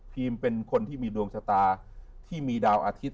เป็นคนที่มีดวงชะตาที่มีดาวอาทิตย